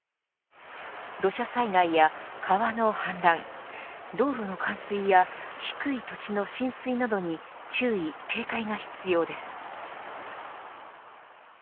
土砂災害や川の氾濫道路の冠水や低い土地の浸水などに注意警戒が必要です。